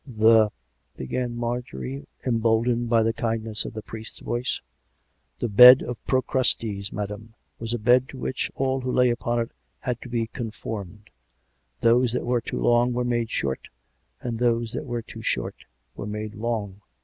" The " began Marjorie, emboldened by the kind ness of the priest's voice. " The bed of Procrustes, madam, was a bed to which all who lay upon it had to be conformed. Those that were too long were made short; and those that were too short were made long.